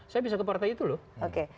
saya bisa ke partai itu loh